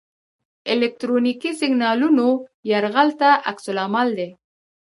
الکترونیکي سیګنالونو یرغل ته عکس العمل دی.